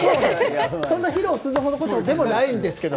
そんな披露するほどのことではないんですけど。